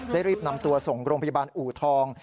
รีบนำตัวส่งโรงพยาบาลอูทอง